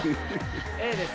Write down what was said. Ａです